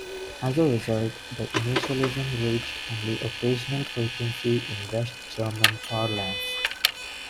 As a result, the initialism reached only occasional frequency in West German parlance.